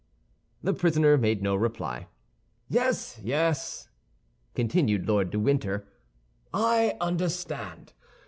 The prisoner made no reply. "Yes, yes," continued Lord de Winter, "I understand.